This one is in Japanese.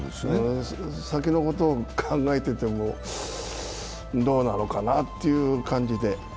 先のことを考えててもどうなのかなという感じで。